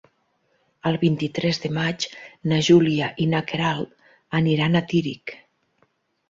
El vint-i-tres de maig na Júlia i na Queralt aniran a Tírig.